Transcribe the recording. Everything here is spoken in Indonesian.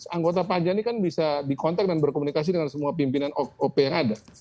anggota panja ini kan bisa dikontak dan berkomunikasi dengan semua pimpinan op yang ada